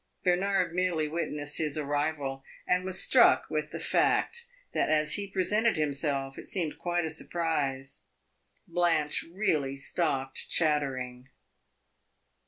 Bernard merely witnessed his arrival, and was struck with the fact that as he presented himself it seemed quite a surprise Blanche really stopped chattering.